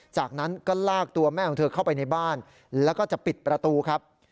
จากนั้นก็ลากตัวแม่ของเธอเข้าไปในบ้านแล้วก็จะปิดประตูครับ